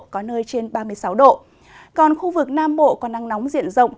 có nơi trên ba mươi sáu độ còn khu vực nam bộ có nắng nóng diện rộng